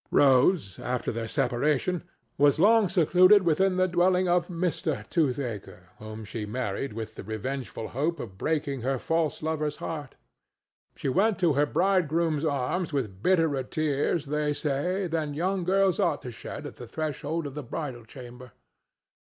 Rose, after their separation, was long secluded within the dwelling of Mr. Toothaker, whom she married with the revengeful hope of breaking her false lover's heart. She went to her bridegroom's arms with bitterer tears, they say, than young girls ought to shed at the threshold of the bridal chamber.